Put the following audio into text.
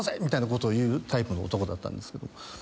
みたいなことを言うタイプの男だったんですけど。